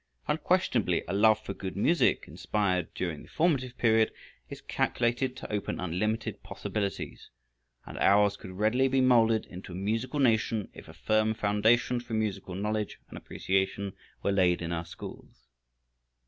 Unquestionably a love for good music, inspired during the formative period, is calculated to open unlimited possibilities, and ours could readily be molded into a musical nation if a firm foundation for musical knowledge and appreciation were laid in our schools.